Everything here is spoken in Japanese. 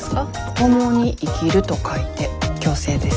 共に生きると書いて共生です。